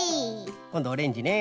こんどオレンジね。